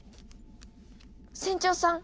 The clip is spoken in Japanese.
船長さん！